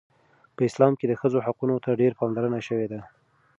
په اسلام کې د ښځو حقوقو ته ډیره پاملرنه شوې ده.